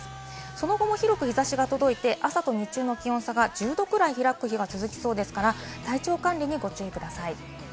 その後も広く日差しが届いて朝と日中の気温差が１０度くらい開く日が続きそうですから体調管理にお気をつけください。